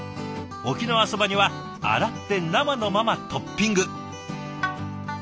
沖縄そばには洗って生のままトッピング。